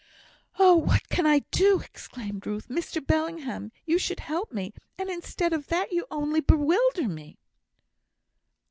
"Oh, what can I do!" exclaimed Ruth. "Mr Bellingham, you should help me, and instead of that you only bewilder me."